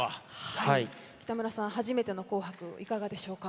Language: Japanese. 北村さん、初めての紅白いかがですか？